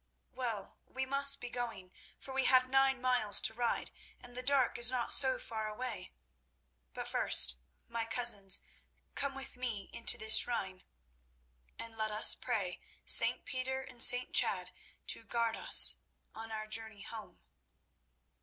Well, we must be going, for we have nine miles to ride, and the dark is not so far away. But first, my cousins, come with me into this shrine, and let us pray St. Peter and St. Chad to guard us on our journey home."